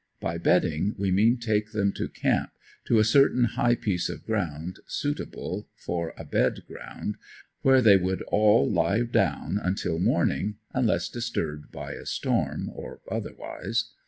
By "bedding" we mean take them to camp, to a certain high piece of ground suitable for a "bed ground" where they would all lie down until morning, unless disturbed by a storm or otherwise.